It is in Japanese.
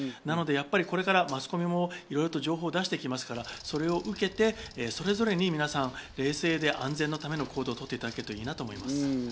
なのでやっぱり、これからマスコミもいろいろ情報を出していきますからそれを受けて、それぞれに皆さん冷静で安全なための行動をとっていただけるといいなと思います。